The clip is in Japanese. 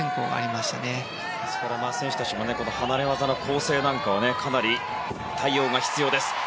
ですから、選手たちも離れ技の構成なんかをかなり対応が必要です。